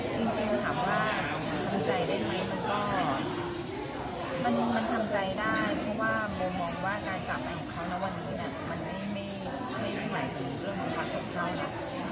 จริงค่ะว่าทำใจได้ไหมมันก็มันทำใจได้เพราะว่ามองว่าการกลับมาเห็นเขาแล้ววันนี้มันไม่ใช่แค่ว่าอยู่เรื่องของพ่อเฉพาะแล้ว